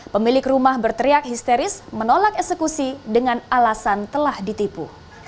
pemilik rumah berteriak histeris menolak eksekusi dengan alasan telah ditipu